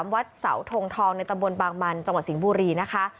วัดเสาทงทองในตำบลบางมันจังหวัดสิงห์บุรีนะคะ